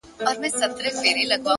وخت د هر عمل اغېز ښکاره کوي!